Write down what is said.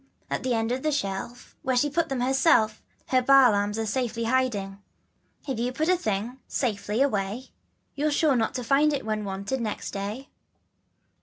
At the end of the shelf, Where she put them herself Her Baa lambs are safely hiding. If you put a thing carefully, safely away, You're sure not to find it when wanted next day.